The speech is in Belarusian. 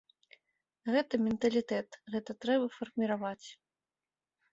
Гэта менталітэт, гэта трэба фарміраваць.